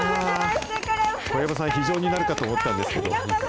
小籔さん、非情になるかなと思ったんですけど。